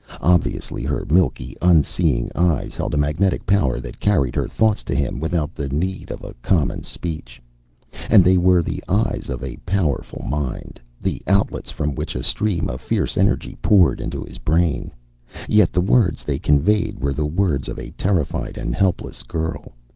Obviously her milky, unseeing eyes held a magnetic power that carried her thoughts to him without the need of a common speech. And they were the eyes of a powerful mind, the outlets from which a stream of fierce energy poured into his brain. Yet the words they conveyed were the words of a terrified and helpless girl.